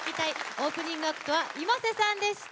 オープニングアクトはｉｍａｓｅさんでした。